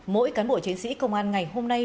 mỗi cán bộ chiến sĩ công an ngày hôm nay